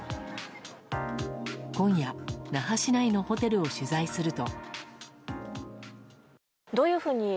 今夜、那覇市内のホテルを取材すると。